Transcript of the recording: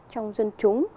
trong dân chúng